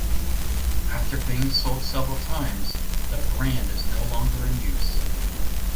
After being sold several times, the brand is no longer in use.